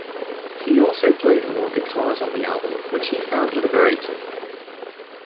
He also played more guitars on the album, which he found liberating.